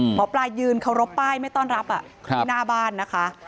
หมอปลายืนเคารพป้ายไม่ต้อนรับที่หน้าบ้านนะคะ